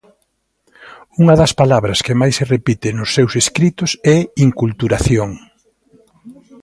Unha das palabras que máis se repite nos seus escritos é inculturación.